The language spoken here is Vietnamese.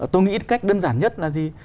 tôi nghĩ cách đơn giản nhất là gì